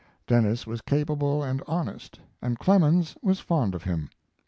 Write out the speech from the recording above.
Denis was capable and honest, and Clemens was fond of him.